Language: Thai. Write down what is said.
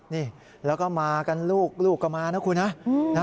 นี่แล้วก็มากันลูกลูกก็มานะคุณนะ